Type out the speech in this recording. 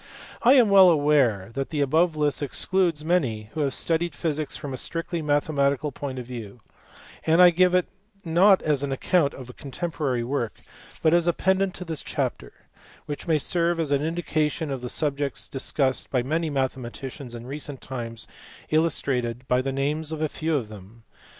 I am well aware that the above list excludes many who have studied physics from a strictly mathematical point of view ; and I give it not as an account of contemporary work, B. 32 498 MATHEMATICAL PHYSICS. but as a pendant to this chapter, which may serve as an indication of the subjects discussed by many mathematicians in recent times illustrated by the names of a few of them.